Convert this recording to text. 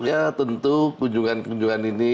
ya tentu kunjungan kunjungan ini